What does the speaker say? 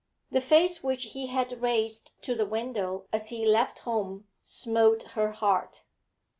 The face which he had raised to the window as he left home smote her heart.